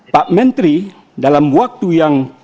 pak menteri dalam waktu yang